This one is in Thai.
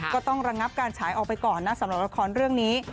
ก็ต้องระงับการฉายออกไปก่อนนะสำหรับละครเรื่องนี้